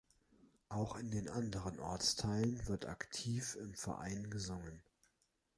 Auch in den anderen Ortsteilen wird aktiv im Verein gesungen.